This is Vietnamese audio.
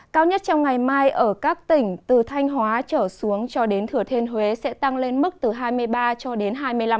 cao nhất trong ngày mai ở các tỉnh từ thanh hóa trở xuống cho đến thừa thiên huế sẽ tăng lên mức từ hai mươi ba cho đến hai mươi năm độ